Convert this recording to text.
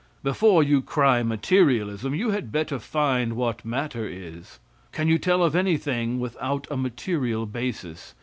Before you cry materialism, you had better find what matter is. Can you tell of anything without a material basis?